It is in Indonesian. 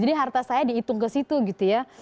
jadi harta saya dihitung ke situ gitu ya